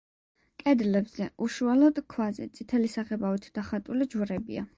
კედლებზე, უშუალოდ ქვაზე, წითელი საღებავით დახატული ჯვრებია.